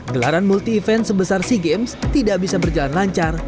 gelaran multi event sebesar sea games tidak bisa berjalan lancar